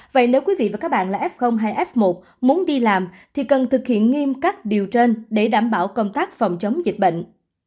vậy nếu quý vị và các bạn là f hay f một muốn đi làm thì cần thực hiện nghiêm cắt điều trên để đảm bảo công tác phòng chống dịch bệnh